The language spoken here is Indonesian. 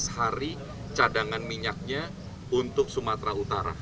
tujuh belas hari cadangan minyaknya untuk sumatera utara